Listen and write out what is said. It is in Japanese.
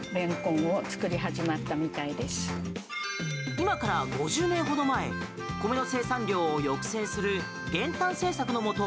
今から５０年ほど前米の生産量を抑制する減反政策のもと